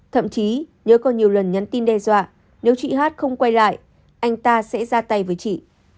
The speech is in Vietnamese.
thậm chí nhớ còn nhiều lần nhắn tin đe dọa nếu chị hát không quay lại anh ta sẽ ra tay với chị